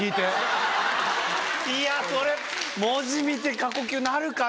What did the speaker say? いやそれ文字見て過呼吸になるかな？